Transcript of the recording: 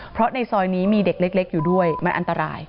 เพราะในซอยนี้มีเด็กเล็กอยู่ด้วยมันอันตราย